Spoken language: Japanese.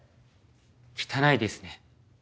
汚いですね